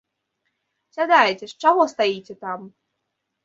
Сядайце ж, чаго стаіце там!